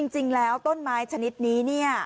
จริงแล้วต้นไม้ชนิดนี้